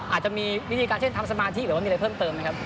อาจจะมีวิธีการเช่นทำสมาธิหรือว่ามีอะไรเพิ่มเติมไหมครับ